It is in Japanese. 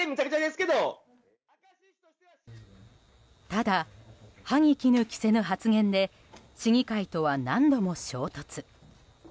ただ、歯に衣着せぬ発言で市議会とは何度も衝突。